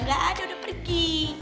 gaada udah pergi